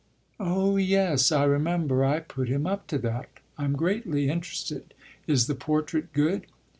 "Oh yes, I remember I put him up to that. I'm greatly interested. Is the portrait good?"